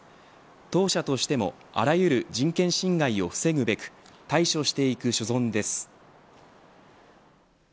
当社としてもあらゆる人権侵害を防ぐべく対処していく所存です。